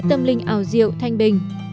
tâm linh ảo diệu thanh bình